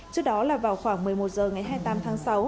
trước đó là vào khoảng một mươi một h ngày hai mươi tám tháng sáu